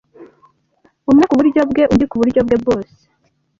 umwe ku buryo bwe undi ku buryo bwebose